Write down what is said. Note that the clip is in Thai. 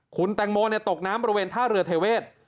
คุณแตงโมตกน้ำบริเวณท่าเรือเทเวศ